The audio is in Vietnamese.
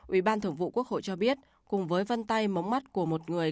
ủy ban thưởng vụ quốc hội cho biết cùng với vân tay móng mắt của một người